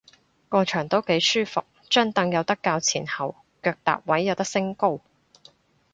個場都幾舒服，張櫈有得較前後，腳踏位有得升高